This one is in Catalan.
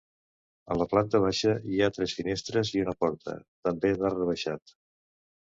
A la planta baixa, hi ha tres finestres i una porta, també d'arc rebaixat.